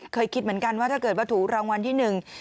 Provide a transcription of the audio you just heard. เคยคิดเหมือนกันว่าถ้าถูรางวัลที่๑